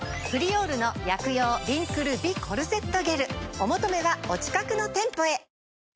お求めはお近くの店舗へ。